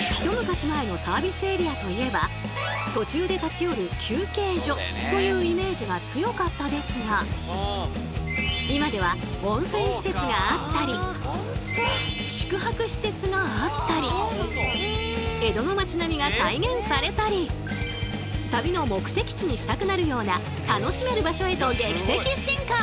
途中で立ち寄る休憩所というイメージが強かったですが今では温泉施設があったり宿泊施設があったり江戸の街並みが再現されたり旅の目的地にしたくなるような楽しめる場所へと劇的進化！